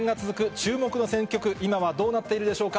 注目の選挙区、今はどうなっているでしょうか。